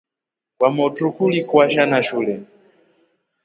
Kwamotru kuli kwasha na shule.